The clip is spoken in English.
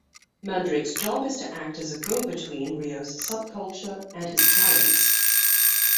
Mandrake's job is to act as a go-between Rio's subculture and his clients.